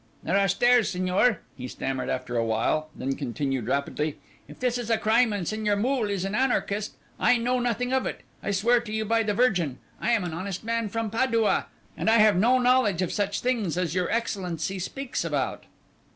"There are stairs, signor," he stammered after a while, then continued rapidly: "If this is a crime and Signor Moole is an anarchist, I know nothing of it, I swear to you by the Virgin. I am an honest man from Padua, and I have no knowledge of such things as your Excellency speaks about."